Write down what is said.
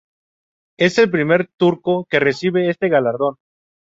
Es el primer turco que recibe este galardón.